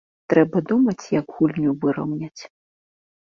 Трэба думаць, як гульню выраўняць.